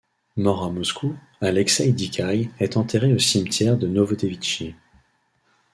Mort à Moscou, Aleksei Dikiï est enterré au Cimetière de Novodevitchi.